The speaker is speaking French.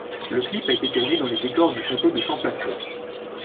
Le clip a été tourné dans les décors du château de Champlâtreux.